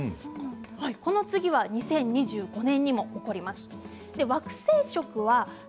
この次は２０２５年に起こります。